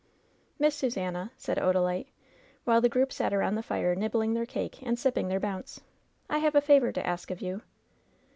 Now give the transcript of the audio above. "Miss Susannah," said Odalite, while the group sat around the fire nibbling their cake and sipping their bounce, "I have a favor to ask of you."